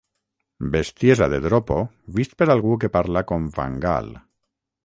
Bestiesa de dropo vist per algú que parla com Van Gaal.